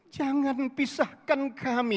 jangan pisahkan kami